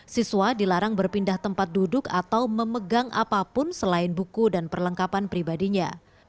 siswa dilarang berpindah tempat duduk atau memegang apapun selain buku dan perlengkapan pribadinya